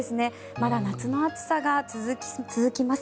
まだ夏の暑さが続きます。